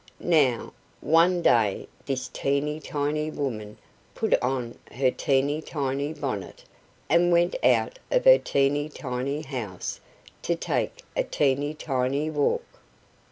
Now, one day this teeny tiny woman put on her teeny tiny bonnet, and went out of her teeny tiny house to take a teeny tiny walk.